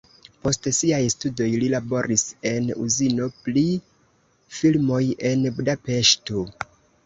Post siaj studoj li laboris en uzino pri filmoj en Budapeŝto.